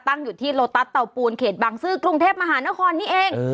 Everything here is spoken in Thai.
ตั้งอยู่ที่โลตัสเตาปูนเขตบังซื้อกรุงเทพมหานครนี่เอง